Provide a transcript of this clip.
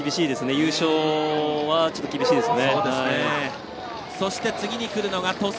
優勝はちょっと厳しいですね。